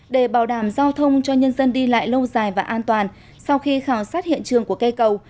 để bảo đảm giao thông cho nhân dân đi lại lâu dài và an toàn sau khi khảo sát hiện trường của cây cầu